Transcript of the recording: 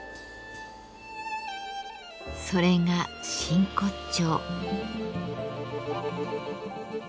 それが真骨頂。